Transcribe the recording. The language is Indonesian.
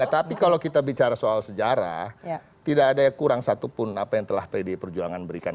tapi kalau kita bicara soal sejarah tidak ada kurang satupun apa yang telah pdi perjuangan berikan